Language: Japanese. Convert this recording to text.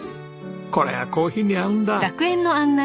これがコーヒーに合うんだ。